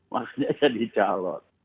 maksudnya jadi calon